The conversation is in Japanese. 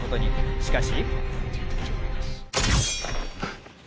しかし。